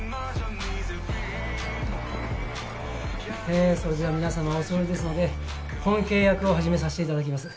えそれでは皆さまお揃いですので本契約を始めさせていただきます。